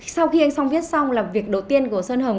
sau khi anh song viết xong là việc đầu tiên của sơn hồng